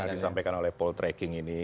karena disampaikan oleh poltreking ini